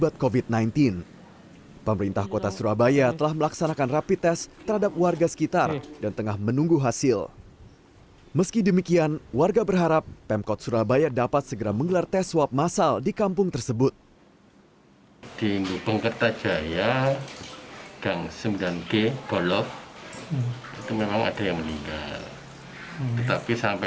tetapi sampai dengan saat ini kami dari kurang belum menerima swab